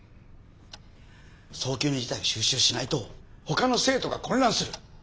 早急に事態を収拾しないとほかの生徒が混乱する。